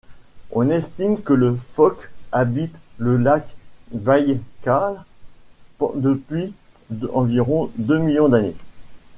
On estime que les phoques habitent le lac Baïkal depuis environ deux millions d'années.